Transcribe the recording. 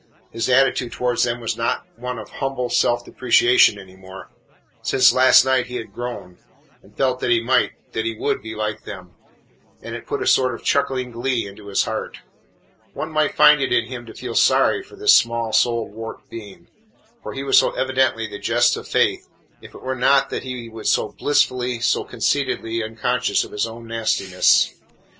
His attitude towards them was not one of humble self depreciation any more. Since last night he had grown, and felt that he might, that he would, be like them, and it put a sort of chuckling glee into his heart. One might find it in him to feel sorry for this small souled, warped being, for he was so evidently the jest of Fate, if it were not that he was so blissfully, so conceitedly, unconscious of his own nastiness.